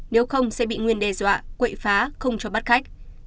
nếu không sẽ bị nguyên đe dọa quậy phá không cho bắt khách